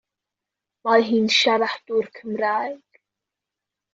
Mae hi'n siaradwr Cymraeg.